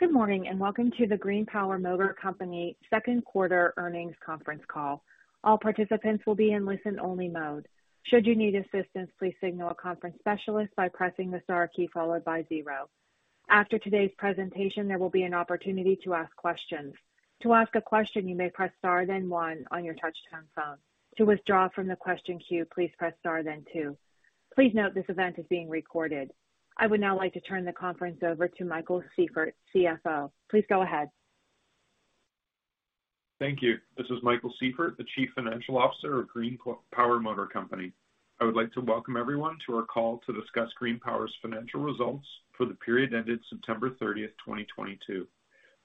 Good morning, and welcome to the GreenPower Motor Company second-quarter earnings conference call. All participants will be in listen-only mode. Should you need assistance, please signal a conference specialist by pressing the star key followed by zero. After today's presentation, there will be an opportunity to ask questions. To ask a question, you may press star then one on your touchtone phone. To withdraw from the question queue, please press star then two. Please note this event is being recorded. I would now like to turn the conference over to Michael Sieffert, CFO. Please go ahead. Thank you. This is Michael Sieffert, the Chief Financial Officer of GreenPower Motor Company. I would like to welcome everyone to our call to discuss GreenPower's financial results for the period ended September 30, 2022.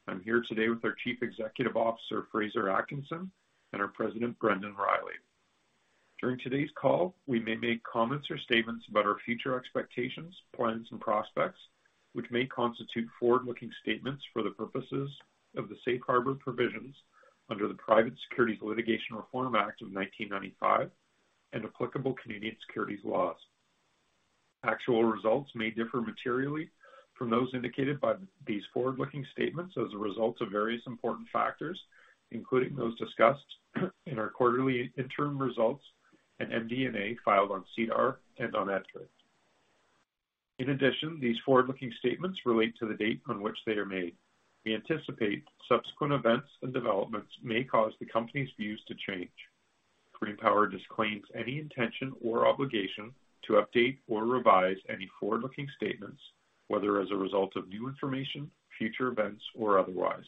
I'm here today with our Chief Executive Officer, Fraser Atkinson, and our President, Brendan Riley. During today's call, we may make comments or statements about our future expectations, plans, and prospects, which may constitute forward-looking statements for the purposes of the safe harbor provisions under the Private Securities Litigation Reform Act of 1995 and applicable Canadian securities laws. Actual results may differ materially from those indicated by these forward-looking statements as a result of various important factors, including those discussed in our quarterly interim results and MD&A filed on SEDAR and on EDGAR. In addition, these forward-looking statements relate to the date on which they are made. We anticipate subsequent events and developments may cause the company's views to change. GreenPower disclaims any intention or obligation to update or revise any forward-looking statements, whether as a result of new information, future events, or otherwise.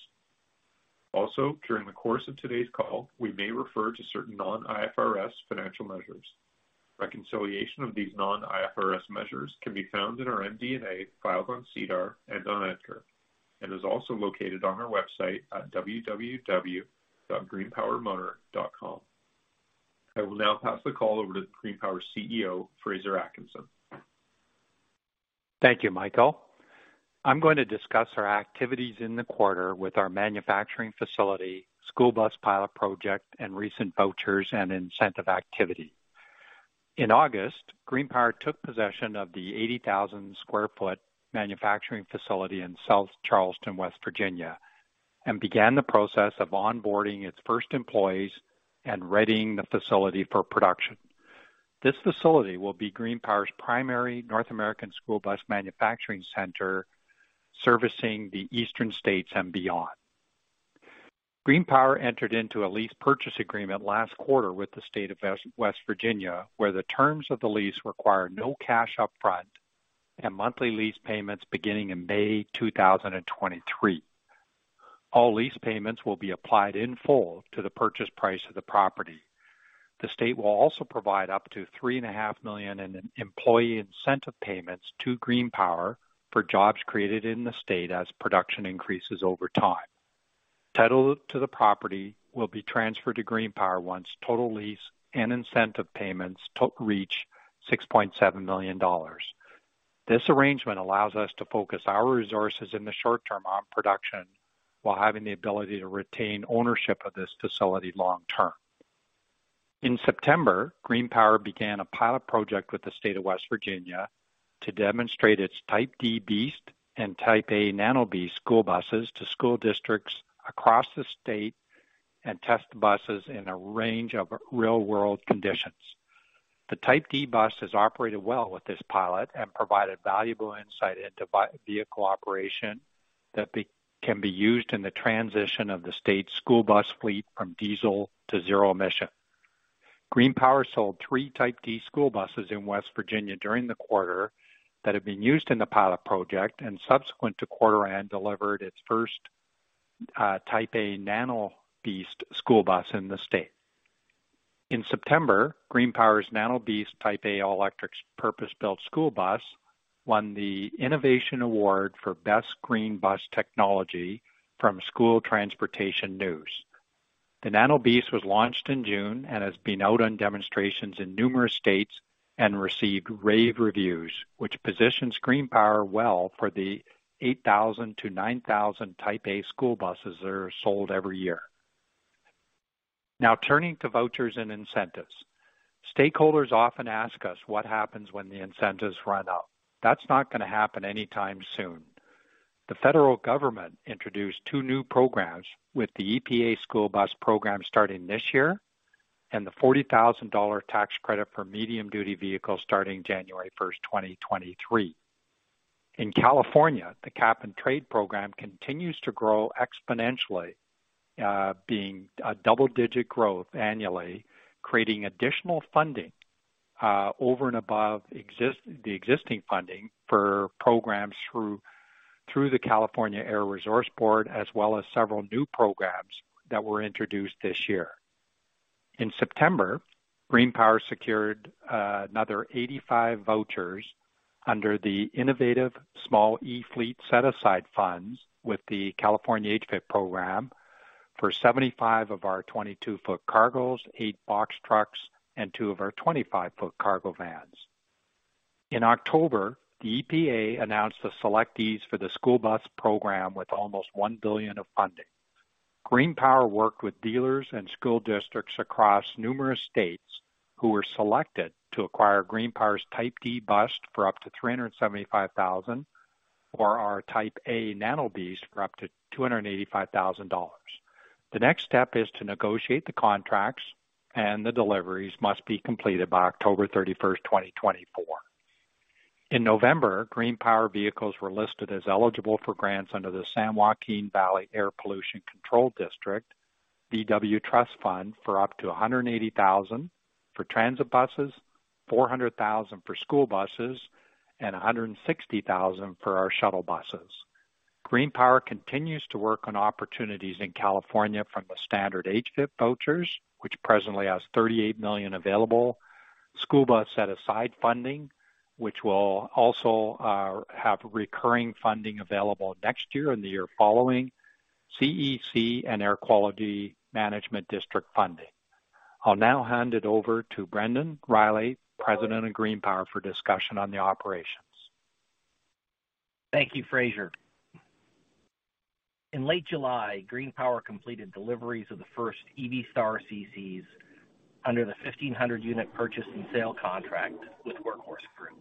Also, during the course of today's call, we may refer to certain non-IFRS financial measures. Reconciliation of these non-IFRS measures can be found in our MD&A filed on SEDAR and on EDGAR, and is also located on our website at www.greenpowermotor.com. I will now pass the call over to GreenPower's CEO, Fraser Atkinson. Thank you, Michael. I'm going to discuss our activities in the quarter with our manufacturing facility, school bus pilot project, and recent vouchers and incentive activity. In August, GreenPower took possession of the 80,000 sq ft manufacturing facility in South Charleston, West Virginia, and began the process of onboarding its first employees and readying the facility for production. This facility will be GreenPower's primary North American school bus manufacturing center, servicing the eastern states and beyond. GreenPower entered into a lease purchase agreement last quarter with the state of West Virginia, where the terms of the lease require no cash up front and monthly lease payments beginning in May 2023. All lease payments will be applied in full to the purchase price of the property. The state will also provide up to $3.5 million in employee incentive payments to GreenPower for jobs created in the state as production increases over time. Title to the property will be transferred to GreenPower once total lease and incentive payments to reach $6.7 million. This arrangement allows us to focus our resources in the short term on production while having the ability to retain ownership of this facility long term. In September, GreenPower began a pilot project with the state of West Virginia to demonstrate its Type D BEAST and Type A Nano BEAST school buses to school districts across the state and test buses in a range of real-world conditions. The Type D bus has operated well with this pilot and provided valuable insight into vehicle operation that can be used in the transition of the state's school bus fleet from diesel to zero-emission. GreenPower sold three Type D school buses in West Virginia during the quarter that have been used in the pilot project, and subsequent to quarter-end, delivered its first Type A Nano BEAST school bus in the state. In September, GreenPower's Nano BEAST Type A all-electric purpose-built school bus won the Innovation Award for Best Green Bus Technology from School Transportation News. The Nano BEAST was launched in June and has been out on demonstrations in numerous states, and received rave reviews, which positions GreenPower well for the 8,000-9,000 Type A school buses that are sold every year. Now turning to vouchers and incentives. Stakeholders often ask us what happens when the incentives run out. That's not gonna happen anytime soon. The federal government introduced two new programs with the EPA school bus program starting this year and the $40,000 tax credit for medium-duty vehicles starting January 1, 2023. In California, the Cap-and-Trade program continues to grow exponentially, with a double-digit growth annually, creating additional funding, over and above existing funding for programs through the California Air Resources Board, as well as several new programs that were introduced this year. In September, GreenPower secured another 85 vouchers under the innovative small e-fleet set-aside funds with the California HVIP program for 75 of our 22-foot cargos, eight box trucks, and two of our 25-foot cargo vans. In October, the EPA announced the selectees for the school bus program with almost $1 billion of funding. GreenPower worked with dealers and school districts across numerous states who were selected to acquire GreenPower's Type D bus for up to $375,000 or our Type A Nano BEAST for up to $285,000. The next step is to negotiate the contracts, and the deliveries must be completed by October 31st, 2024. In November, GreenPower vehicles were listed as eligible for grants under the San Joaquin Valley Air Pollution Control District, VW Mitigation Trust for up to $180,000 for transit buses, $400,000 for school buses, and $160,000 for our shuttle buses. GreenPower continues to work on opportunities in California from the standard HVIP vouchers, which presently has $38 million available. School bus set aside funding, which will also have recurring funding available next year and the year following CEC and Air Quality Management District funding. I'll now hand it over to Brendan Riley, President of GreenPower, for discussion on the operations. Thank you, Fraser. In late July, GreenPower completed deliveries of the first EV Star CCs under the 1,500 unit purchase and sale contract with Workhorse Group.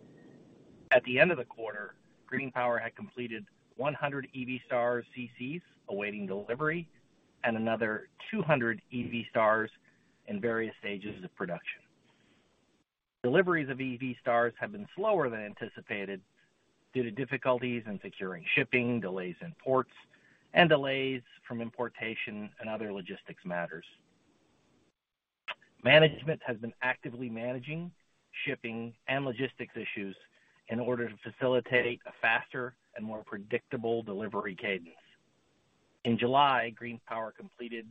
At the end of the quarter, GreenPower had completed 100 EV Star CCs awaiting delivery and another 200 EV Star in various stages of production. Deliveries of EV Star have been slower than anticipated due to difficulties in securing shipping, delays in ports, and delays from importation and other logistics matters. Management has been actively managing shipping and logistics issues in order to facilitate a faster and more predictable delivery cadence. In July, GreenPower completed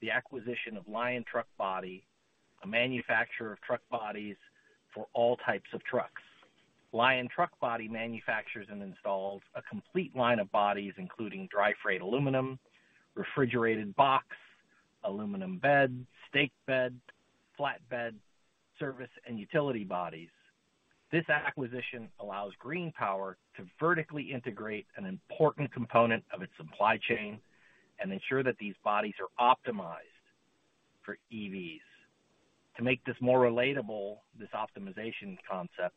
the acquisition of Lion Truck Body, a manufacturer of truck bodies for all types of trucks. Lion Truck Body manufactures and installs a complete line of bodies, including dry freight aluminum, refrigerated box, aluminum bed, stake bed, flatbed, service, and utility bodies. This acquisition allows GreenPower to vertically integrate an important component of its supply chain and ensure that these bodies are optimized for EVs. To make this more relatable, this optimization concept,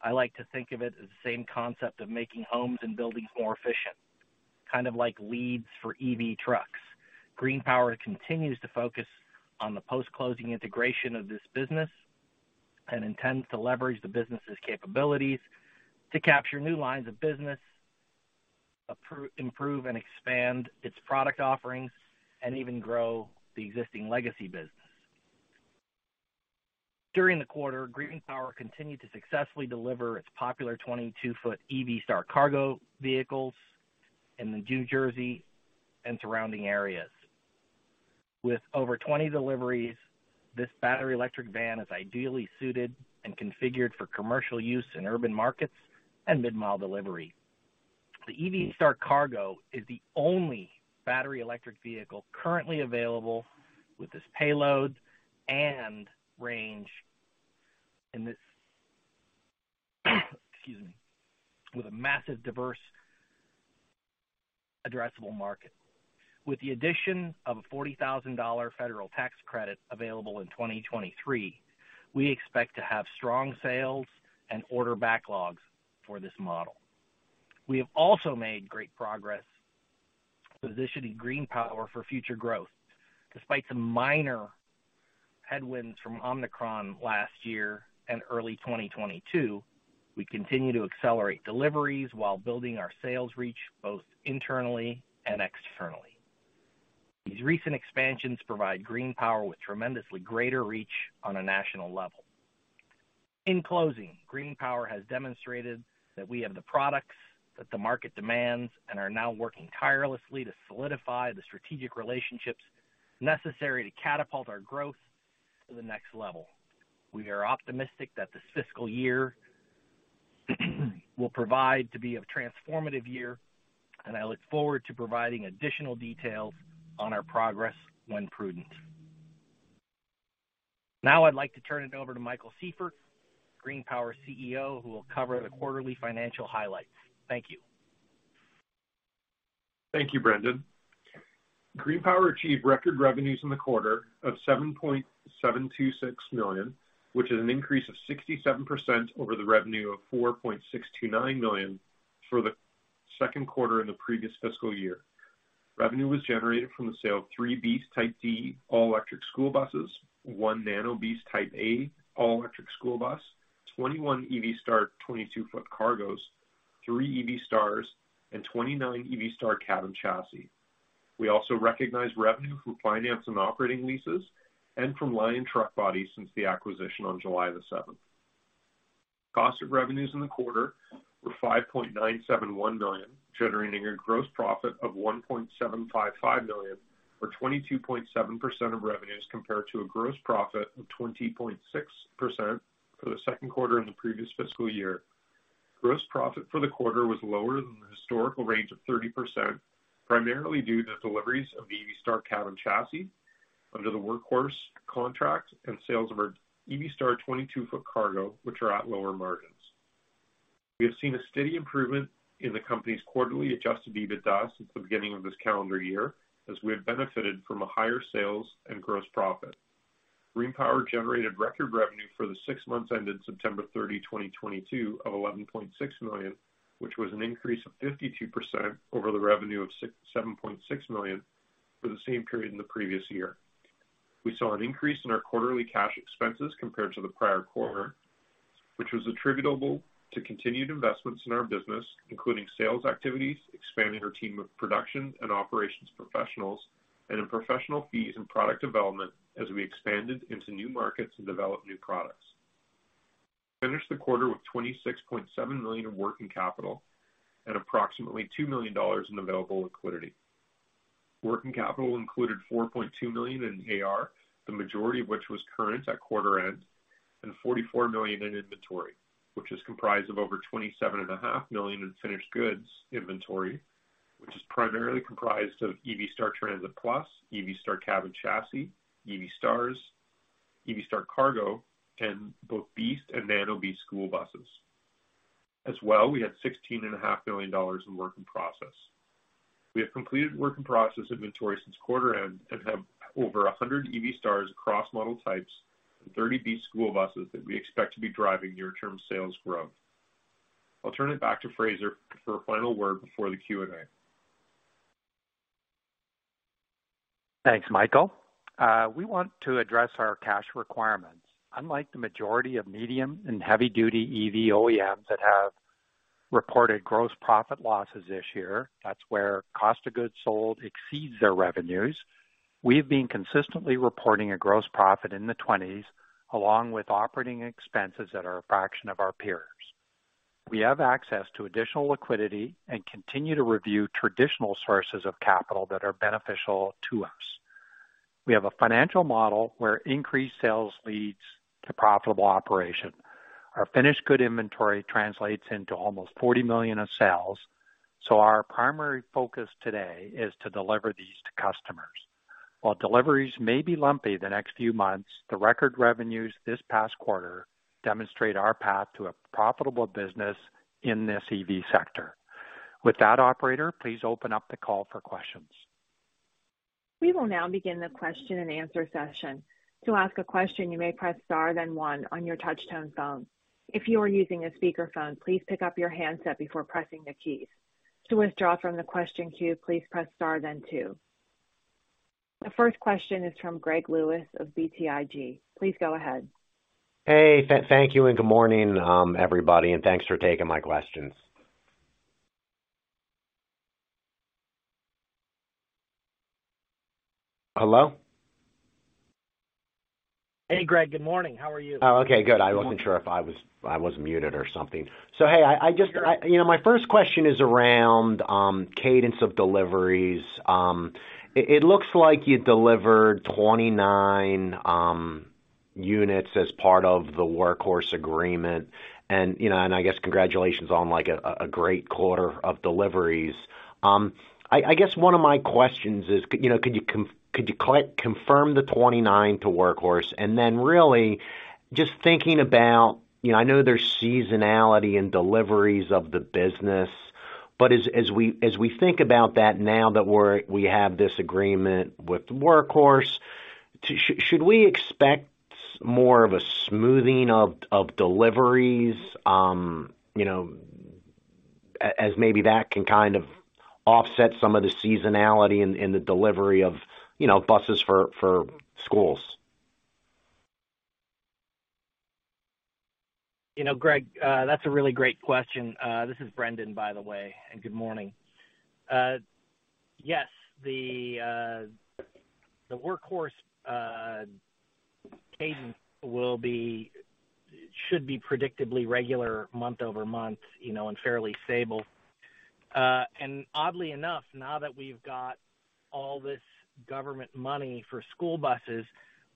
I like to think of it as the same concept of making homes and buildings more efficient. Kind of like LEEDs for EV trucks. GreenPower continues to focus on the post-closing integration of this business and intends to leverage the business's capabilities to capture new lines of business, improve, and expand its product offerings, and even grow the existing legacy business. During the quarter, GreenPower continued to successfully deliver its popular 22-foot EV Star Cargo vehicles in New Jersey and surrounding areas. With over 20 deliveries, this battery electric van is ideally suited and configured for commercial use in urban markets and mid-mile delivery. The EV Star Cargo is the only battery electric vehicle currently available with this payload and range with a massive, diverse addressable market. With the addition of a $40,000 federal tax credit available in 2023, we expect to have strong sales and order backlogs for this model. We have also made great progress positioning GreenPower for future growth. Despite some minor headwinds from Omicron last year and early 2022, we continue to accelerate deliveries while building our sales reach both internally and externally. These recent expansions provide GreenPower with tremendously greater reach on a national level. In closing, GreenPower has demonstrated that we have the products that the market demands and are now working tirelessly to solidify the strategic relationships necessary to catapult our growth to the next level. We are optimistic that this fiscal year will prove to be a transformative year, and I look forward to providing additional details on our progress when prudent. Now, I'd like to turn it over to Michael Sieffert, GreenPower CFO, who will cover the quarterly financial highlights. Thank you. Thank you, Brendan. GreenPower achieved record revenues in the quarter of $7.726 million, which is an increase of 67% over the revenue of $4.629 million for the second quarter in the previous fiscal year. Revenue was generated from the sale of three BEAST Type D all-electric school buses, one Nano BEAST Type A all-electric school bus, 21 EV Star 22-foot cargos, three EV Stars, and 29 EV Star cab and chassis. We also recognized revenue from finance and operating leases and from Lion Truck Body since the acquisition on July 7. Cost of revenues in the quarter were $5.971 million, generating a gross profit of $1.755 million or 22.7% of revenues, compared to a gross profit of $20.6 million for the second quarter in the previous fiscal year. Gross profit for the quarter was lower than the historical range of 30%, primarily due to deliveries of the EV Star Cab & Chassis under the Workhorse contract and sales of our EV Star 22-foot Cargo, which are at lower margins. We have seen a steady improvement in the company's quarterly Adjusted EBITDA since the beginning of this calendar year, as we have benefited from higher sales and gross profit. GreenPower generated record revenue for the six months ended September 30, 2022 of $11.6 million, which was an increase of 52% over the revenue of $7.6 million for the same period in the previous year. We saw an increase in our quarterly cash expenses compared to the prior quarter, which was attributable to continued investments in our business, including sales activities, expanding our team of production and operations professionals, and in professional fees and product development as we expanded into new markets and developed new products. We finished the quarter with $26.7 million in working capital and approximately $2 million in available liquidity. Working capital included $4.2 million in AR, the majority of which was current at quarter end, and $44 million in inventory, which is comprised of over $27.5 million in finished goods inventory, which is primarily comprised of EV Star+, EV Star Cab & Chassis, EV Star, EV Star Cargo, and both BEAST and Nano BEAST school buses. As well, we had $16.5 million in work in process. We have completed work in process inventory since quarter end and have over 100 EV Stars across model types and 30 BEAST school buses that we expect to be driving near-term sales growth. I'll turn it back to Fraser for a final word before the Q&A. Thanks, Michael. We want to address our cash requirements. Unlike the majority of medium- and heavy-duty EV OEMs that have reported gross profit losses this year, that's where cost of goods sold exceeds their revenues, we've been consistently reporting a gross profit in the twenties, along with operating expenses that are a fraction of our peers. We have access to additional liquidity and continue to review traditional sources of capital that are beneficial to us. We have a financial model where increased sales lead to profitable operations. Our finished goods inventory translates into almost $40 million of sales, so our primary focus today is to deliver these to customers. While deliveries may be lumpy the next few months, the record revenues this past quarter demonstrate our path to a profitable business in this EV sector. With that, operator, please open up the call for questions. We will now begin the question-and-answer session. To ask a question, you may press star then one on your touchtone phone. If you are using a speakerphone, please pick up your handset before pressing the keys. To withdraw from the question queue, please press star then two. The first question is from Greg Lewis of BTIG. Please go ahead. Hey, thank you, and good morning, everybody, and thanks for taking my questions. Hello? Hey, Greg. Good morning. How are you? Oh, okay. Good. I wasn't sure if I was muted or something. Hey, you know, my first question is around cadence of deliveries. It looks like you delivered 29 units as part of the Workhorse agreement, you know, and I guess congratulations on like a great quarter of deliveries. I guess one of my questions is, you know, could you confirm the 29 to Workhorse? Then really just thinking about, you know, I know there's seasonality in deliveries of the business, but as we think about that now that we have this agreement with Workhorse, should we expect more of a smoothing of deliveries, you know, as maybe that can kind of offset some of the seasonality in the delivery of, you know, buses for schools? You know, Greg, that's a really great question. This is Brendan, by the way, and good morning. Yes, the Workhorse cadence should be predictably regular month-over-month, you know, and fairly stable. Oddly enough, now that we've got all this government money for school buses,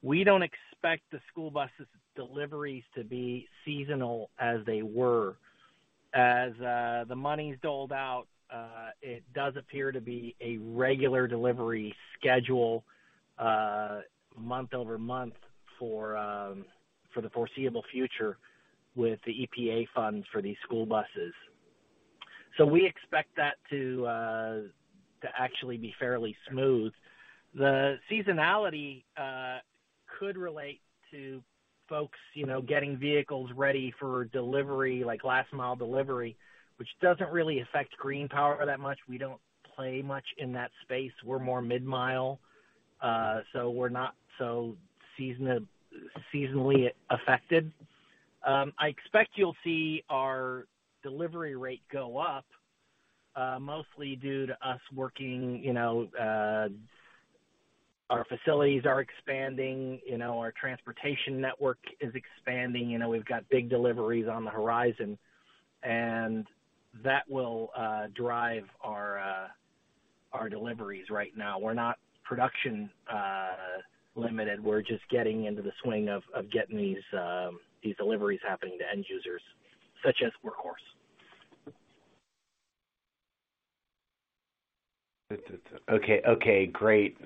we don't expect the school bus deliveries to be seasonal as they were. As the money's doled out, it does appear to be a regular delivery schedule, month-over-month, for the foreseeable future with the EPA funds for these school buses. We expect that to actually be fairly smooth. The seasonality could relate to folks, you know, getting vehicles ready for delivery, like last-mile delivery, which doesn't really affect GreenPower that much. We don't play much in that space. We're more mid-mile, so we're not so seasonally affected. I expect you'll see our delivery rate go up, mostly due to us working, you know, our facilities are expanding, you know, our transportation network is expanding. You know, we've got big deliveries on the horizon, and that will drive our deliveries right now. We're not production-limited. We're just getting into the swing of getting these deliveries happening to end users such as Workhorse. Okay, great.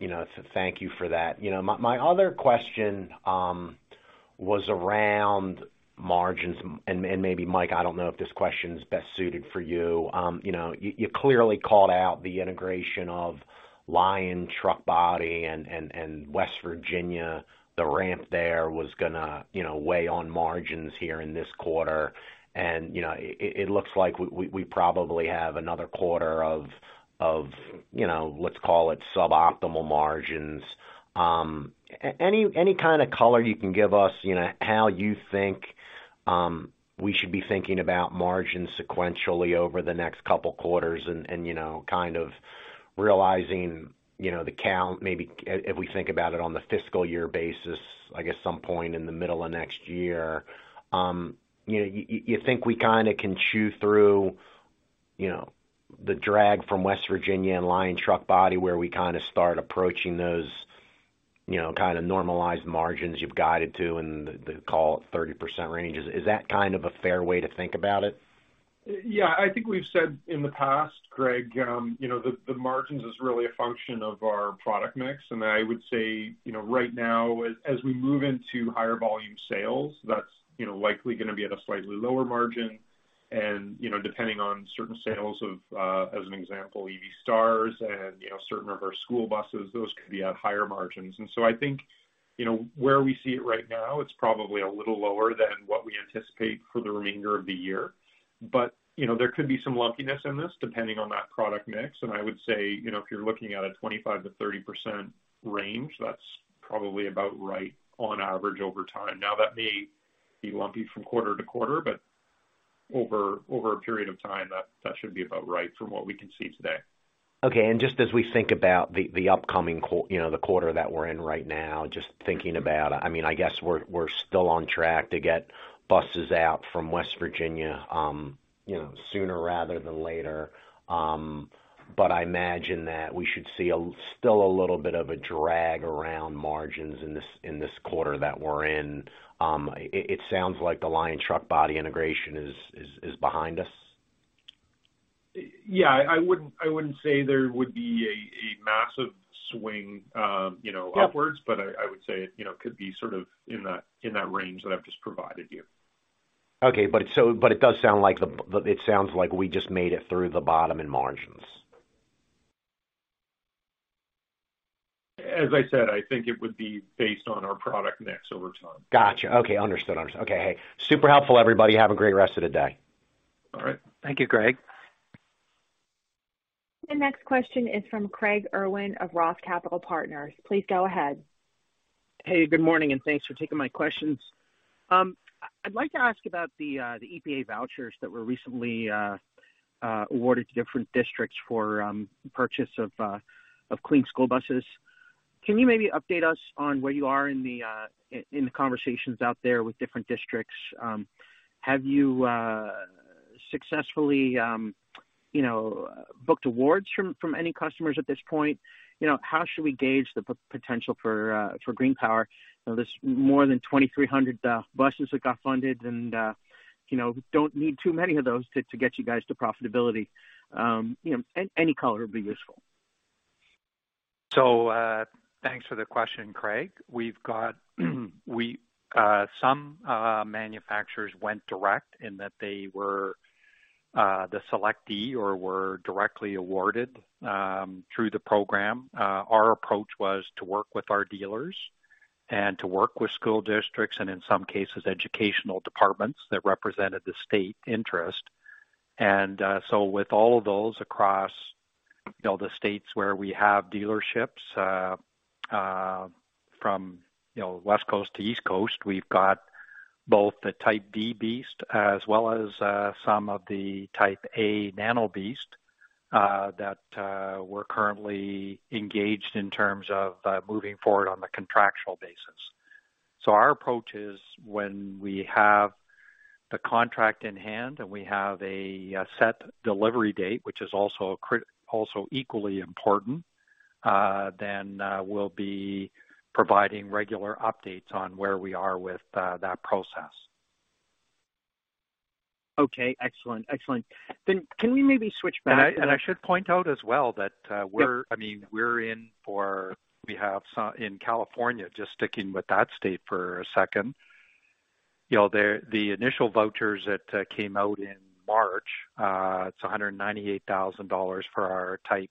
You know, so thank you for that. You know, my other question was around margins, and maybe, Mike, I don't know if this question is best suited for you. You know, you clearly called out the integration of Lion Truck Body and West Virginia. The ramp there was gonna, you know, weigh on margins here in this quarter. You know, it looks like we probably have another quarter of, you know, let's call it suboptimal margins. Any kind of color you can give us, you know, how you think we should be thinking about margins sequentially over the next couple quarters and, you know, kind of realizing, you know, the count, maybe if we think about it on the fiscal year basis, I guess some point in the middle of next year, you know, you think we kinda can chew through, you know, the drag from West Virginia and Lion Truck Body, where we kinda start approaching those, you know, kinda normalized margins you've guided to and the call at 30% range. Is that kind of a fair way to think about it? Yeah. I think we've said in the past, Greg, you know, the margins is really a function of our product mix. I would say, you know, right now, as we move into higher volume sales, that's, you know, likely gonna be at a slightly lower margin. You know, depending on certain sales of, as an example, EV Stars and, you know, certain of our school buses, those could be at higher margins. I think, you know, where we see it right now, it's probably a little lower than what we anticipate for the remainder of the year. You know, there could be some lumpiness in this depending on that product mix. I would say, you know, if you're looking at a 25%-30% range, that's probably about right on average over time. Now, that may be lumpy from quarter to quarter, but over a period of time, that should be about right from what we can see today. Okay. Just as we think about the upcoming quarter, you know, the quarter that we're in right now, just thinking about, I mean, I guess we're still on track to get buses out from West Virginia, you know, sooner rather than later. I imagine that we should see still a little bit of a drag around margins in this quarter that we're in. It sounds like the Lion Truck Body integration is behind us. Yeah, I wouldn't say there would be a massive swing, you know, upwards, but I would say it, you know, could be sort of in that range that I've just provided you. It sounds like we just made it through the bottom in margins. As I said, I think it would be based on our product mix over time. Gotcha. Okay. Understood. Okay. Hey, super helpful, everybody. Have a great rest of the day. All right. Thank you, Greg. The next question is from Craig Irwin of ROTH Capital Partners. Please go ahead. Hey, good morning, and thanks for taking my questions. I'd like to ask about the EPA vouchers that were recently awarded to different districts for purchase of clean school buses. Can you maybe update us on where you are in the conversations out there with different districts? Have you successfully you know booked awards from any customers at this point? You know, how should we gauge the potential for GreenPower? You know, there's more than 2,300 buses that got funded and you know don't need too many of those to get you guys to profitability. You know, any color would be useful. Thanks for the question, Craig. We've got some manufacturers went direct in that they were the selectee or were directly awarded through the program. Our approach was to work with our dealers and to work with school districts, and in some cases, educational departments that represented the state interest. With all of those across, you know, the states where we have dealerships from, you know, West Coast to East Coast, we've got both the Type D BEAST as well as some of the Type A Nano BEAST that we're currently engaged in terms of moving forward on a contractual basis. Our approach is when we have the contract in hand and we have a set delivery date, which is also equally important, then we'll be providing regular updates on where we are with that process. Okay. Excellent. Can we maybe switch back? I should point out as well that, we're Yeah. I mean, we have some in California, just sticking with that state for a second. You know, the initial vouchers that came out in March, it's $198,000 for our Type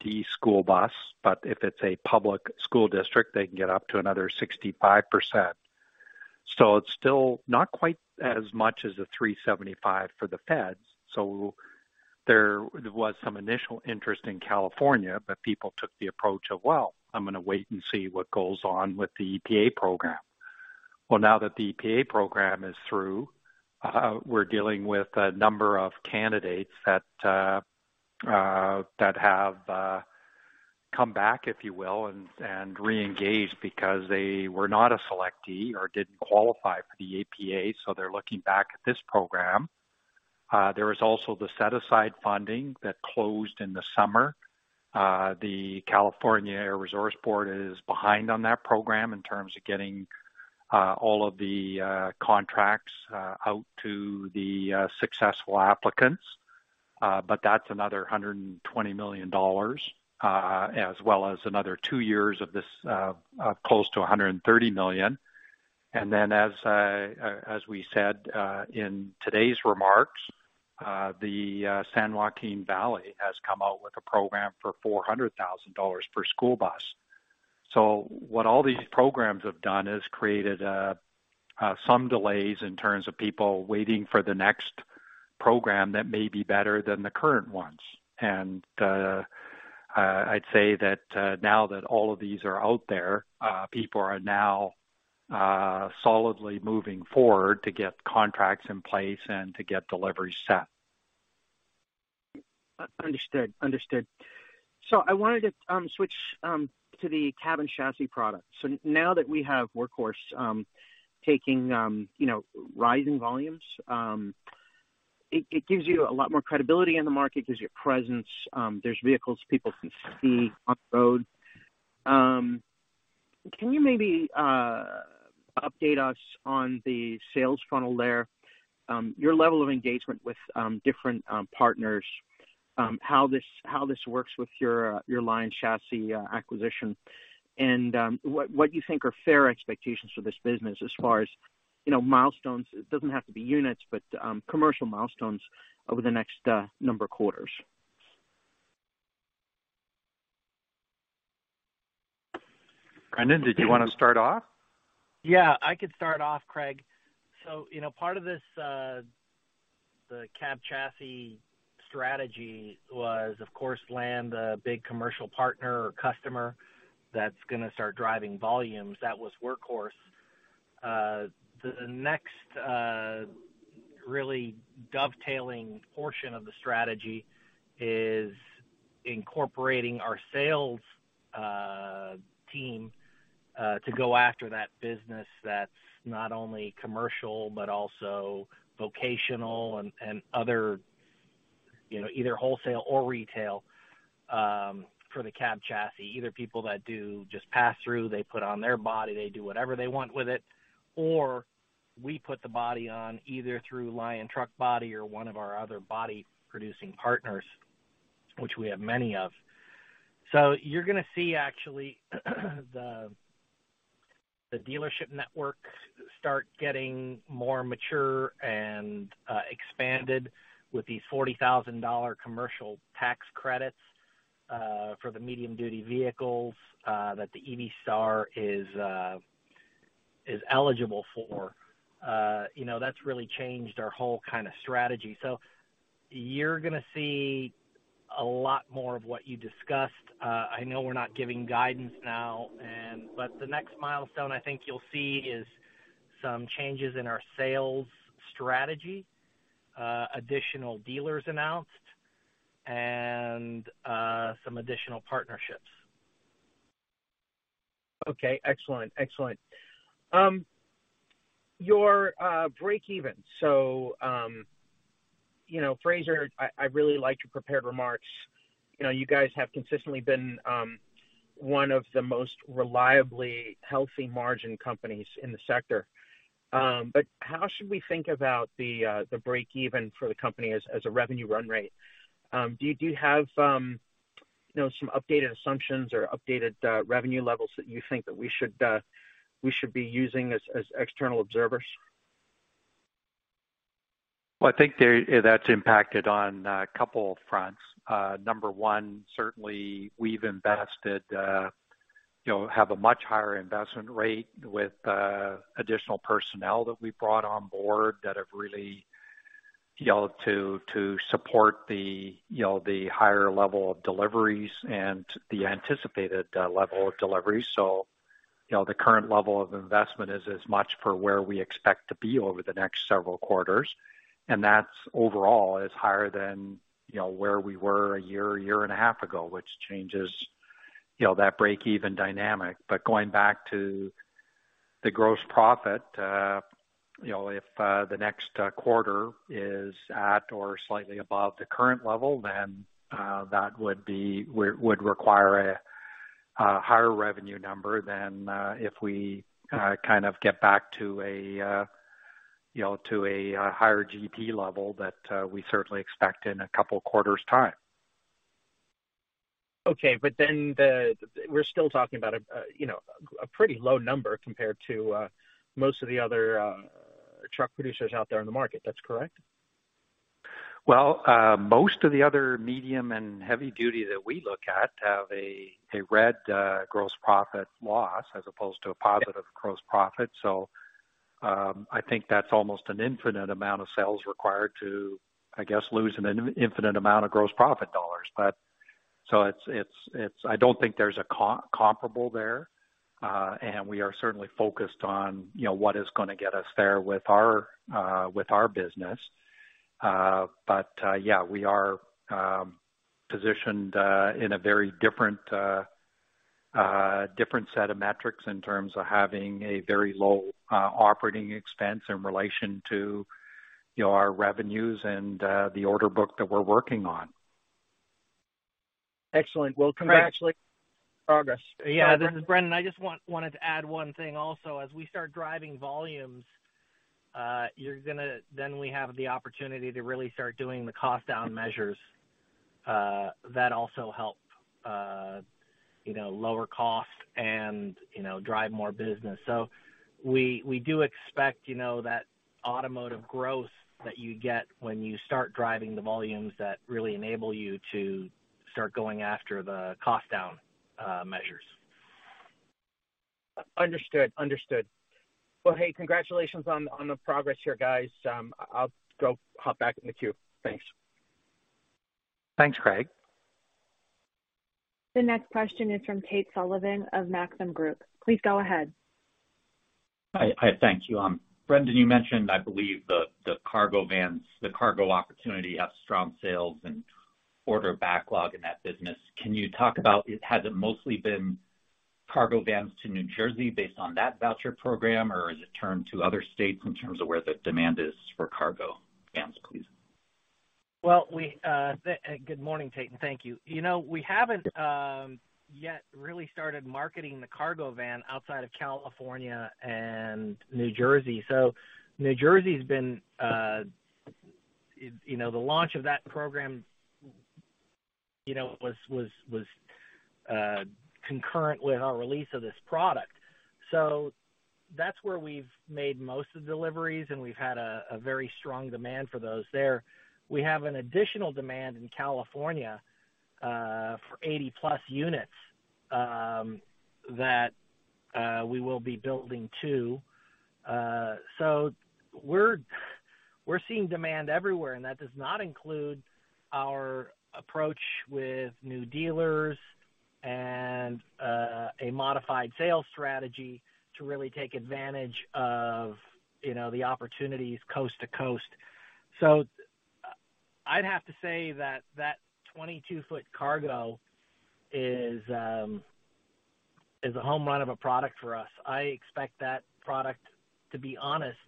D school bus. But if it's a public school district, they can get up to another 65%. It's still not quite as much as the $375,000 for the feds. There was some initial interest in California, but people took the approach of, "Well, I'm gonna wait and see what goes on with the EPA program." Well, now that the EPA program is through, we're dealing with a number of candidates that have come back, if you will, and re-engaged because they were not a selectee or didn't qualify for the EPA, so they're looking back at this program. There was also the set-aside funding that closed in the summer. The California Air Resources Board is behind on that program in terms of getting all of the contracts out to the successful applicants. But that's another $120 million, as well as another two years of this close to $130 million. Then as we said in today's remarks, the San Joaquin Valley has come out with a program for $400,000 per school bus. What all these programs have done is created some delays in terms of people waiting for the next program that may be better than the current ones. I'd say that now that all of these are out there, people are now solidly moving forward to get contracts in place and to get deliveries set. Understood. I wanted to switch to the cab and chassis products. Now that we have Workhorse taking, you know, rising volumes, it gives you a lot more credibility in the market, gives you a presence, there are vehicles people can see on the road. Can you maybe update us on the sales funnel there, your level of engagement with different partners, how this works with your Lion Truck Body chassis acquisition and what you think are fair expectations for this business as far as, you know, milestones? It doesn't have to be units, but commercial milestones over the next number of quarters. Brendan, did you want to start off? Yeah, I could start off, Craig. You know, part of this, the cab chassis strategy was, of course, land a big commercial partner or customer that's going to start driving volumes. That was Workhorse. The next really dovetailing portion of the strategy is incorporating our sales team to go after that business that's not only commercial but also vocational and other, you know, either wholesale or retail, for the cab chassis. Either people that do just pass through, they put on their body, they do whatever they want with it, or we put the body on either through Lion Truck Body or one of our other body-producing partners, which we have many of. You're going to see actually the dealership network start getting more mature and expanded with these $40,000 commercial tax credits for the medium-duty vehicles that the EV Star is eligible for. You know, that's really changed our whole kind of strategy. You're going to see a lot more of what you discussed. I know we're not giving guidance now, but the next milestone I think you'll see is some changes in our sales strategy, additional dealers announced, and some additional partnerships. Okay, excellent. Your breakeven. You know, Fraser, I really like your prepared remarks. You know, you guys have consistently been one of the most reliably healthy margin companies in the sector. But how should we think about the breakeven for the company as a revenue run rate? Do you have, you know, some updated assumptions or updated revenue levels that you think that we should be using as external observers? Well, I think that's impacted on a couple of fronts. Number one, certainly we've invested, you know, have a much higher investment rate with additional personnel that we brought on board that have really you know to support the higher level of deliveries and the anticipated level of delivery. The current level of investment is as much for where we expect to be over the next several quarters. That's overall higher than where we were a year and a half ago, which changes that breakeven dynamic. Going back to the gross profit, you know, if the next quarter is at or slightly above the current level, then that would be. Would require a higher revenue number than if we kind of get back to, you know, a higher GP level that we certainly expect in a couple of quarters time. Okay. We're still talking about a, you know, a pretty low number compared to most of the other truck producers out there in the market. That's correct? Most of the other medium-and-heavy-duty that we look at have a red gross profit loss as opposed to a positive gross profit. I think that's almost an infinite amount of sales required to lose an infinite amount of gross profit dollars. It is. I don't think there's a comparable there. We are certainly focused on, you know, what is going to get us there with our business. We are positioned in a very different set of metrics in terms of having a very low operating expense in relation to, you know, our revenues and the order book that we're working on. Excellent. Well, Actually- on progress. Yeah, this is Brendan. I just wanted to add one thing also. As we start driving volumes, then we have the opportunity to really start doing the cost down measures that also help, you know, lower cost and, you know, drive more business. So we do expect, you know, that automotive growth that you get when you start driving the volumes that really enable you to start going after the cost down measures. Understood. Well, hey, congratulations on the progress here, guys. I'll go hop back in the queue. Thanks. Thanks, Craig. The next question is from Tate Sullivan of Maxim Group. Please go ahead. Hi. Hi, thank you. Brendan, you mentioned, I believe, the cargo vans, the cargo opportunity has strong sales and order backlog in that business. Can you talk about, has it mostly been cargo vans to New Jersey based on that voucher program, or has it turned to other states in terms of where the demand is for cargo vans, please? Good morning, Tate, and thank you. You know, we haven't yet really started marketing the cargo van outside of California and New Jersey. New Jersey has been you know, the launch of that program, you know, was concurrent with our release of this product. That's where we've made most of the deliveries, and we've had a very strong demand for those there. We have an additional demand in California for 80-plus units that we will be building too. We're seeing demand everywhere, and that does not include our approach with new dealers and a modified sales strategy to really take advantage of you know, the opportunities coast to coast. I'd have to say that 22-foot cargo is a home run of a product for us. I expect that product, to be honest,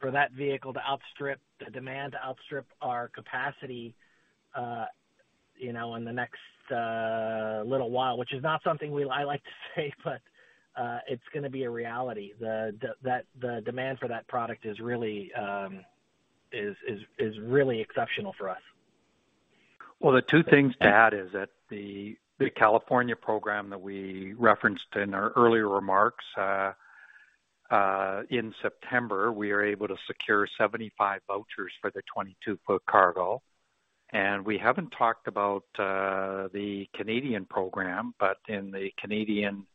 for that vehicle to outstrip the demand to outstrip our capacity, you know, in the next little while, which is not something I like to say, but it's gonna be a reality. The demand for that product is really exceptional for us. Well, the two things to add is that the California program that we referenced in our earlier remarks, in September, we were able to secure 75 vouchers for the 22-foot cargo. We haven't talked about the Canadian program, but in the Canadian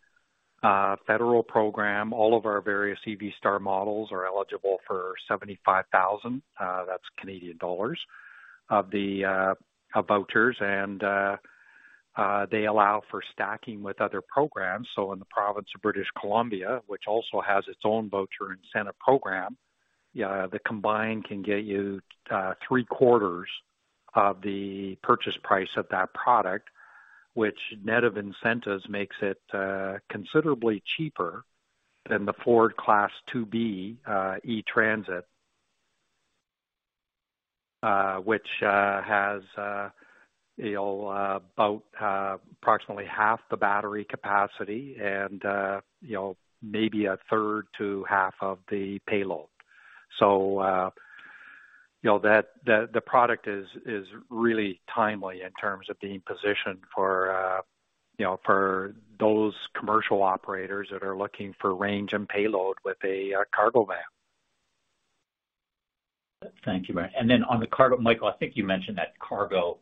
federal program, all of our various EV Star models are eligible for 75,000, that's Canadian dollars, of the vouchers. They allow for stacking with other programs. In the province of British Columbia, which also has its own voucher incentive program, yeah, the combined can get you three-quarters of the purchase price of that product, which net of incentives makes it considerably cheaper than the Ford Class 2B E-Transit, which has you know, about approximately half the battery capacity and you know, maybe a one-third to one-half of the payload. You know, the product is really timely in terms of being positioned for you know, for those commercial operators that are looking for range and payload with a cargo van. Thank you. Then on the cargo, Michael, I think you mentioned that cargo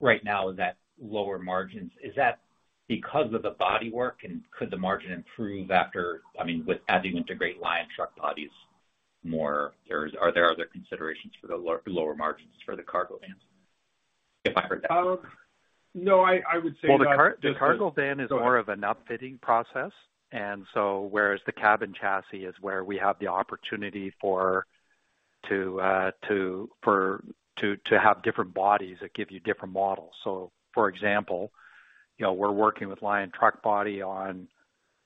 right now is at lower margins. Is that because of the bodywork, and could the margin improve after, I mean, with as you integrate Lion Truck Body more, or are there other considerations for the lower margins for the cargo vans? If I heard that. No, I would say that. Well, the cargo van is more of an upfitting process, whereas the cab chassis is where we have the opportunity to have different bodies that give you different models. For example, you know, we're working with Lion Truck Body on,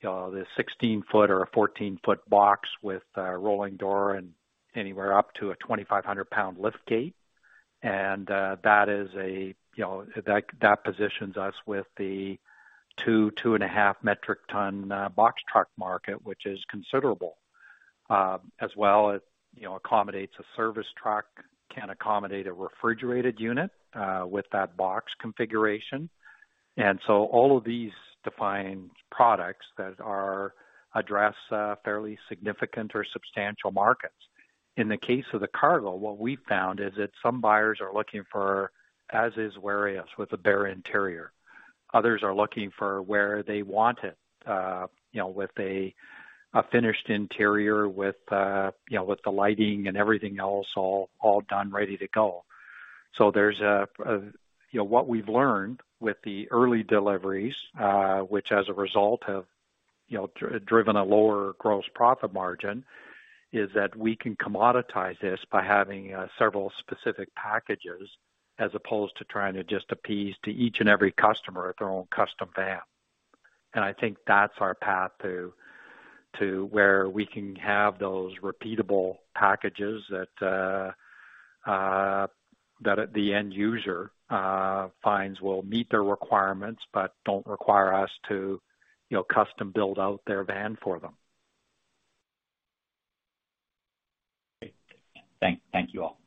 you know, the 16-foot or a 14-foot box with a rolling door and anywhere up to a 2,500-pound lift gate. That positions us with the 2.5 metric ton box truck market, which is considerable. As well, it accommodates a service truck, can accommodate a refrigerated unit with that box configuration. All of these defined products that address fairly significant or substantial markets. In the case of the cargo, what we found is that some buyers are looking for as is, whereas with a bare interior. Others are looking for the way they want it, you know, with a finished interior with, you know, with the lighting and everything else all done, ready to go. There's, you know, what we've learned with the early deliveries, which as a result have, you know, driven a lower gross profit margin, is that we can commoditize this by having several specific packages as opposed to trying to just cater to each and every customer with their own custom van. I think that's our path to where we can have those repeatable packages that at the end user finds will meet their requirements but don't require us to, you know, custom build out their van for them. Great. Thank you all.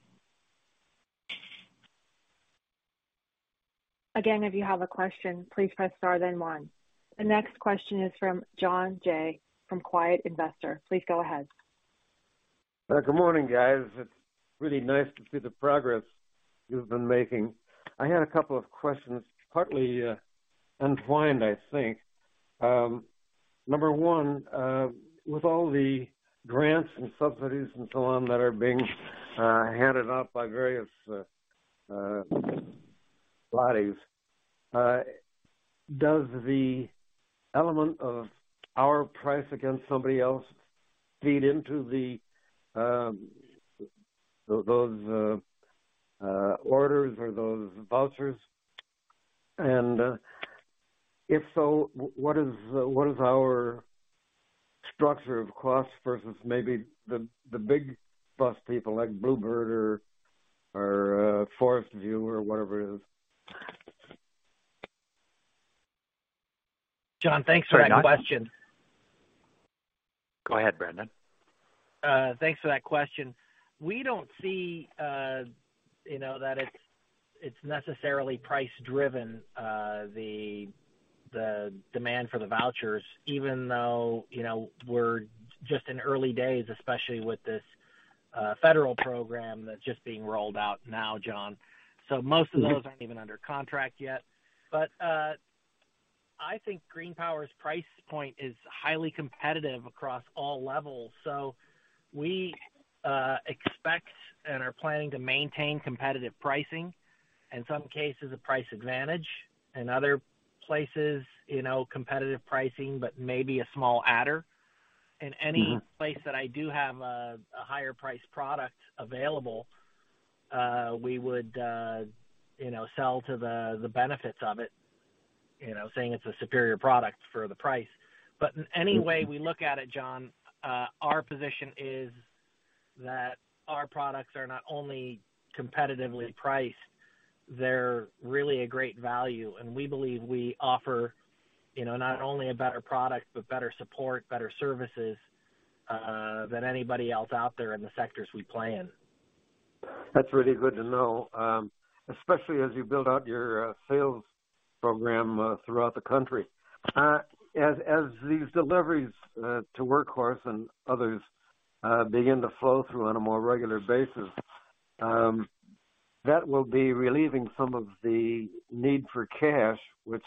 Again, if you have a question, please press star then one. The next question is from John Jay from Quiet Investor. Please go ahead. Good morning, guys. It's really nice to see the progress you've been making. I had a couple of questions, partly entwined, I think. Number one, with all the grants and subsidies and so on that are being handed out by various bodies, does the element of our price against somebody else feed into those orders or those vouchers? If so, what is our structure of cost versus maybe the big bus people like Blue Bird or Forest River or whatever it is? John, thanks for that question. Go ahead, Brendan. Thanks for that question. We don't see, you know, that it's necessarily price-driven, the demand for the vouchers, even though, you know, we're just in early days, especially with this federal program that's just being rolled out now, John. Most of those aren't even under contract yet. I think GreenPower's price point is highly competitive across all levels. We expect and are planning to maintain competitive pricing, in some cases, a price advantage. In other places, you know, competitive pricing, but maybe a small adder. Mm-hmm. In any place that I do have a higher priced product available, we would, you know, sell to the benefits of it, you know, saying it's a superior product for the price. But any way we look at it, John, our position is that our products are not only competitively priced, they're really a great value. We believe we offer, you know, not only a better product, but better support, better services, than anybody else out there in the sectors we play in. That's really good to know, especially as you build out your sales program throughout the country. As these deliveries to Workhorse and others begin to flow through on a more regular basis, that will be relieving some of the need for cash which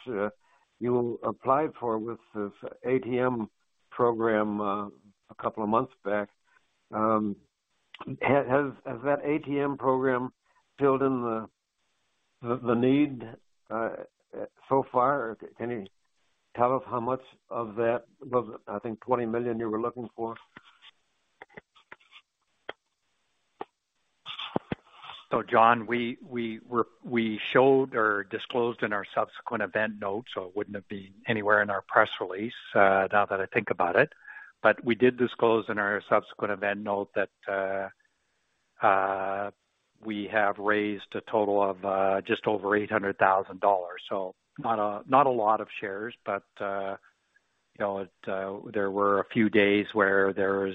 you applied for with this ATM program a couple of months back. Has that ATM program filled in the need so far? Can you tell us how much of those, I think, $20 million you were looking for? John, we showed or disclosed in our subsequent event notes, so it wouldn't have been anywhere in our press release, now that I think about it. We did disclose in our subsequent event note that we have raised a total of just over $800,000. Not a lot of shares, but you know, it there were a few days where there was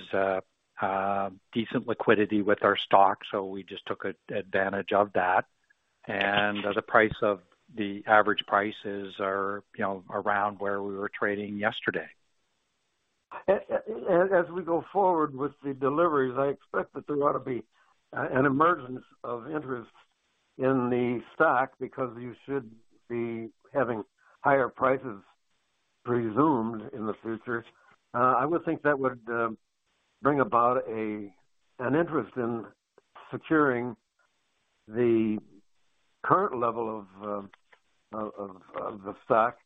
decent liquidity with our stock, so we just took advantage of that. The price of the average prices are, you know, around where we were trading yesterday. As we go forward with the deliveries, I expect that there ought to be an emergence of interest in the stock because you should be having higher prices presumed in the future. I would think that would bring about an interest in securing the current level of the stock.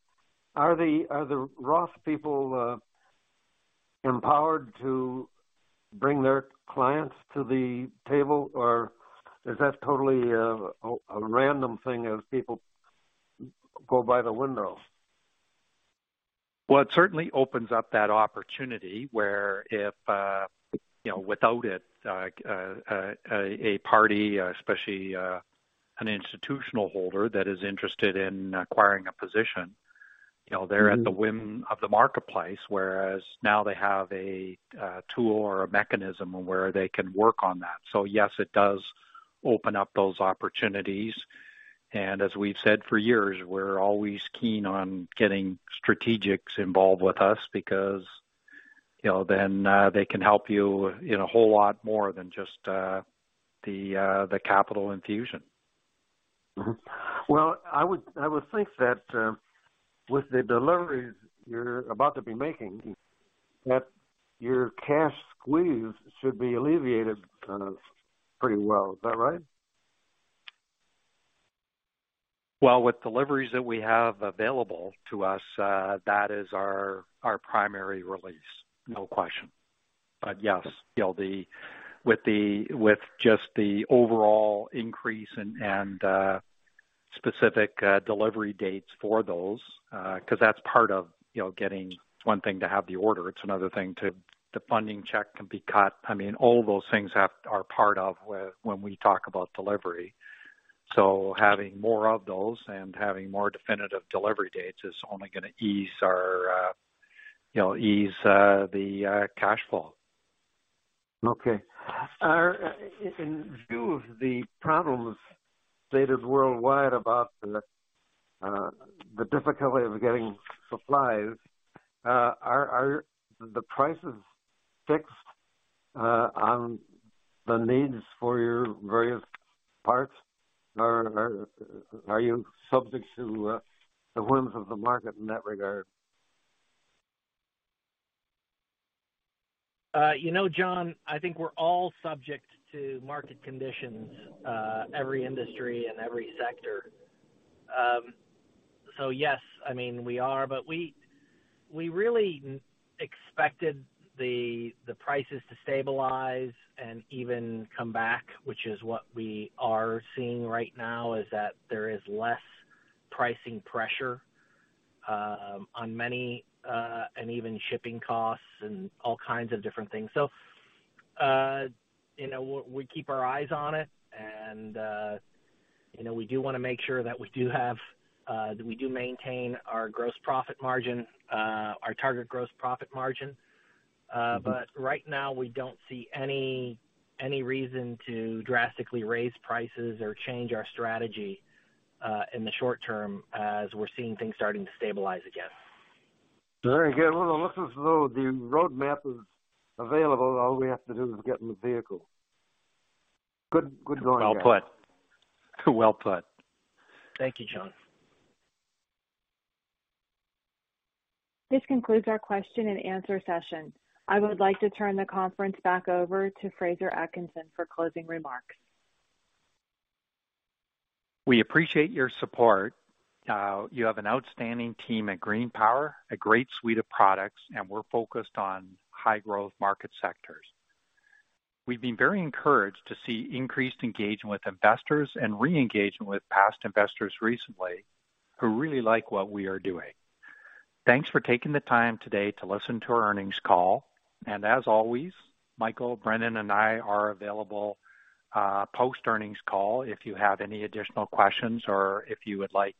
Are the ROTH people empowered to bring their clients to the table, or is that totally a random thing as people go by the window? Well, it certainly opens up that opportunity where if you know without it a party especially an institutional holder that is interested in acquiring a position you know they're at the whim of the marketplace whereas now they have a tool or a mechanism where they can work on that. Yes, it does open up those opportunities. As we've said for years, we're always keen on getting strategics involved with us because you know then they can help you in a whole lot more than just the capital infusion. Mm-hmm. Well, I would think that with the deliveries you're about to be making, that your cash squeeze should be alleviated kind of pretty well. Is that right? Well, with deliveries that we have available to us, that is our primary release, no question. But yes, you know, with just the overall increase and specific delivery dates for those, because that's part of you know getting. It's one thing to have the order, it's another thing to the funding check can be cut. I mean, all those things are part of when we talk about delivery. So having more of those and having more definitive delivery dates is only gonna ease our you know ease the cash flow. Okay. In view of the problems stated worldwide about the difficulty of getting supplies, are the prices fixed on the needs for your various parts? Or are you subject to the whims of the market in that regard? You know, John, I think we're all subject to market conditions, every industry and every sector. Yes, I mean, we are, but we really expected the prices to stabilize and even come back, which is what we are seeing right now, is that there is less pricing pressure on many and even shipping costs and all kinds of different things. You know, we keep our eyes on it and, you know, we do wanna make sure that we maintain our gross profit margin, our target gross profit margin. Mm-hmm. Right now, we don't see any reason to drastically raise prices or change our strategy in the short term as we're seeing things starting to stabilize again. Very good. Well, it looks as though the roadmap is available. All we have to do is get in the vehicle. Good going, guys. Well put. Well put. Thank you, John. This concludes our question-and-answer session. I would like to turn the conference back over to Fraser Atkinson for closing remarks. We appreciate your support. You have an outstanding team at GreenPower, a great suite of products, and we're focused on high-growth market sectors. We've been very encouraged to see increased engagement with investors and re-engagement with past investors recently, who really like what we are doing. Thanks for taking the time today to listen to our earnings call. As always, Michael Sieffert, Brendan Riley, and I are available, post-earnings call, if you have any additional questions or if you would like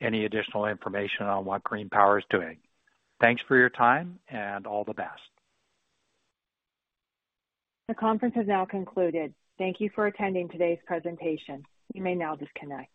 any additional information on what GreenPower is doing. Thanks for your time and all the best. The conference has now concluded. Thank you for attending today's presentation. You may now disconnect.